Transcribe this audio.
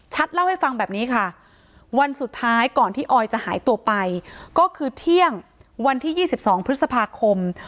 เล่าให้ฟังแบบนี้ค่ะวันสุดท้ายก่อนที่ออยจะหายตัวไปก็คือเที่ยงวันที่๒๒พฤษภาคม